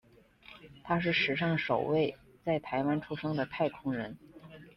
他是史上首位在台湾出生的太空人。